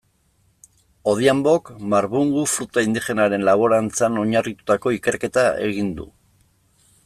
Odhiambok marbungu fruta indigenaren laborantzan oinarritututako ikerketa egin du.